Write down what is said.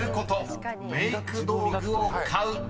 ［メイク道具を買う］